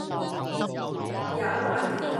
也還記得，